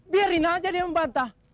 biarin aja dia membantah